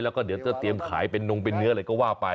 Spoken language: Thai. แล้วก็เดี๋ยวจะเตรียมขายเป็นนงเป็นเนื้ออะไรก็ว่าไป